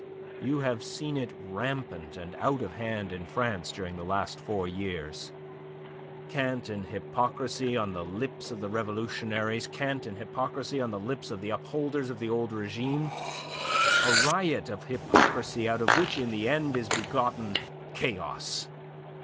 You have seen it rampant and out of hand in France during the past four years cant and hypocrisy on the lips of the revolutionaries, cant and hypocrisy on the lips of the upholders of the old regime; a riot of hypocrisy out of which in the end is begotten chaos.